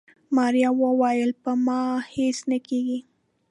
ماريا وويل په ما هيڅ نه کيږي.